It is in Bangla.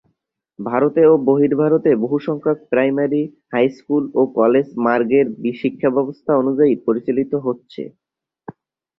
ভারতে ও বহির্ভারতে বহুসংখ্যক প্রাইমারি, হাইস্কুল ও কলেজ মার্গের শিক্ষাব্যবস্থা অনুযায়ী পরিচালিত হচ্ছে।